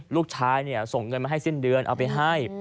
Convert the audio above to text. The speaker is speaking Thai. ลูกชายส่งเงินมาให้สิ้นเดือนเอาไปให้